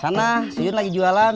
sana si iwan lagi jualan